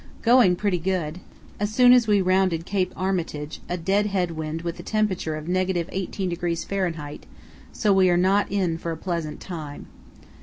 Going pretty good. As soon as we rounded Cape Armitage a dead head wind with a temperature of –18° Fahr., so we are not in for a pleasant time.